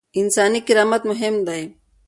انساني کرامت مهم دی.